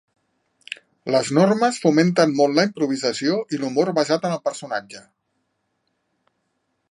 Les normes fomenten molt la improvisació i l'humor basat en el personatge.